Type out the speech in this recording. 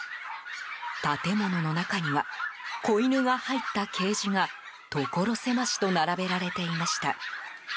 建物の中には子犬が入ったケージがところ狭しと並べられていました。